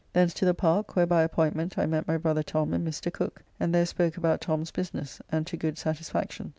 Thence to the Park, where by appointment I met my brother Tom and Mr. Cooke, and there spoke about Tom's business, and to good satisfaction.